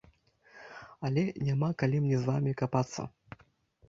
Але няма калі мне з вамі капацца.